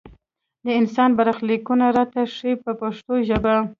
د انسان برخلیکونه راته ښيي په پښتو ژبه.